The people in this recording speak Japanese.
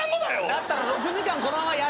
だったら６時間このままやり合おうぜ。